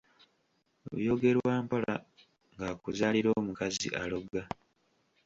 “Byogerwa mpola”, ng’akuzaalira omukazi aloga.